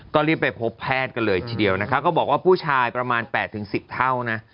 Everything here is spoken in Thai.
ก็รีบไปพบแพทย์กันเลยทีเดียวนะคะก็บอกว่าผู้ชายประมาณ๘๑๐เท่านะ